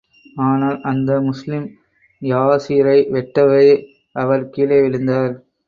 ஆனால், அந்த முஸ்லிம் யாஸிரை வெட்டவே, அவர் கீழே விழுந்தார்.